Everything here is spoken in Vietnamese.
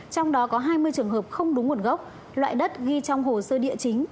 trong đó có hai mươi trường hợp không đúng nguồn gốc loại đất ghi trong hồ sơ địa chính